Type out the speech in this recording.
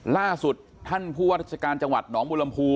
ล่าสุดท่านผู้วัฒนศพรรจรรย์จังหวัดหนอมปุรมภูย์